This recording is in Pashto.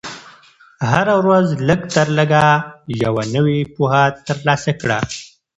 هره ورځ لږ تر لږه یوه نوې پوهه ترلاسه کړه.